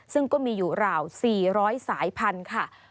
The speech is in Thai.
ซึ่งก็มีอยู่ราว๔๐๐สายพันธุ์ค่ะ